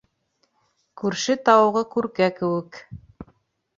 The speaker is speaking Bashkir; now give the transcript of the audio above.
Күрше тауығы күркә кеүек.